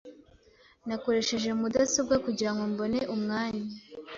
Nakoresheje mudasobwa kugirango mbone umwanya.